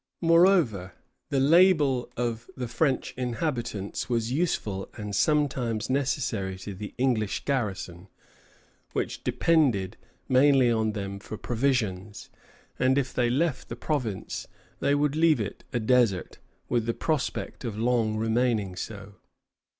Moreover, the labor of the French inhabitants was useful and sometimes necessary to the English garrison, which depended mainly on them for provisions; and if they left the province, they would leave it a desert, with the prospect of long remaining so.